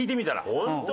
ホント？